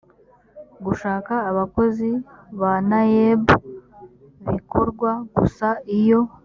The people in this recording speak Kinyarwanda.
gushaka abakozi ba naeb bikorwa gusa iyo